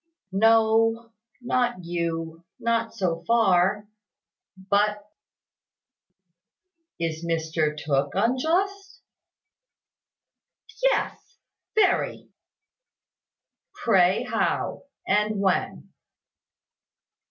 "No not you not so far. But " "Is Mr Tooke unjust?" "Yes very." "Pray how, and when?"